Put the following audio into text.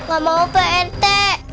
gak mau pak rt